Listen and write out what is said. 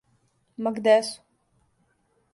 Ма где су?